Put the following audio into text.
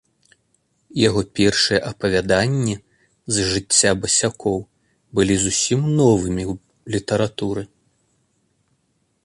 Яго першыя апавяданні з жыцця басякоў былі зусім новымі ў літаратуры.